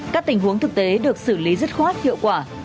các tình huống thực tế được xử lý dứt khoát hiệu quả